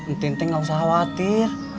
ntinting gak usah khawatir